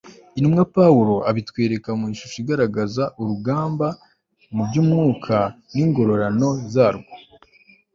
intumwa pawulo abitwereka mu ishusho igaragaza urugamba mu by'umwuka n'ingororano zarwo